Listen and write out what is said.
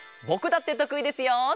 ぼくだってとくいですよ！